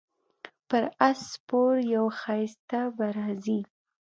پر اس سپور یو ښایسته به راځي